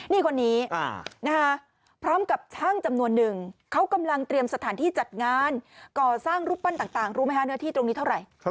นี่คนนี้พร้อมกับช่างจำนวนหนึ่งเขากำลังเตรียมสถานที่จัดงานก่อสร้างรูปปั้นต่างรู้ไหมคะเนื้อที่ตรงนี้เท่าไหร่